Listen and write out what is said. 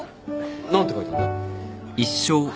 何て書いてあんだ？